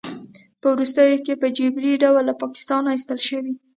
په وروستیو کې په جبري ډول له پاکستانه ایستل شوی